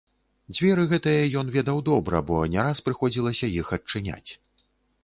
Дзверы гэтыя ён ведаў добра, бо не раз прыходзілася іх адчыняць.